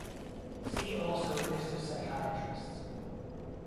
See also list of psychiatrists.